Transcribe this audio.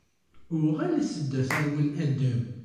Uɣalet-d, a tarwa n Adem!